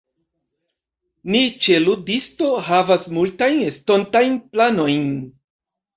Ni ĉe Ludisto havas multajn estontajn planojn.